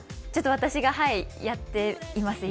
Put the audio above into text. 私がやっています、今。